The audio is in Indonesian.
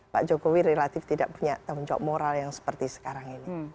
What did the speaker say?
pak jokowi relatif tidak punya tanggung jawab moral yang seperti sekarang ini